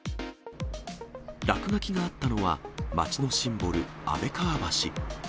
落書きがあったのは、街のシンボル、安倍川橋。